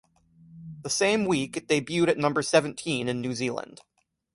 The same week, it debuted at number seventeen in New Zealand.